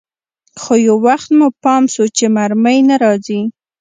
خو يو وخت مو پام سو چې مرمۍ نه راځي.